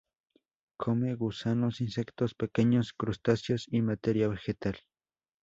Come gusanos, insectos pequeños, crustáceos y materia vegetal.